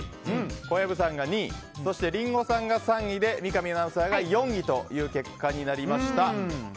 小籔さんが２位そして、リンゴさんが３位で三上アナウンサーが４位という結果になりました。